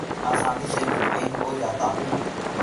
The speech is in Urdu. آسانی سے مطمئن ہو جاتا ہوں